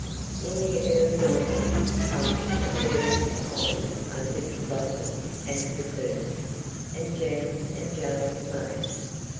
In the early autumn, plums of various kinds are to be bottled and preserved, and jams and jellies made.